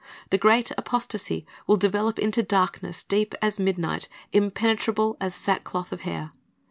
The great apostasy will develop into darkness deep as midnight, impenetrable as sackcloth of hair.